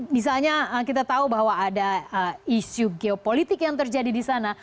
misalnya kita tahu bahwa ada isu geopolitik yang terjadi di sana